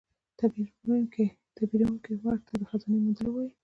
تعبیرونکی ورته د خزانې موندلو وايي.